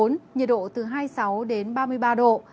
nhiệt độ từ hai mươi sáu đến ba mươi ba độ